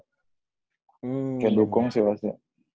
kayak dukung sih pasti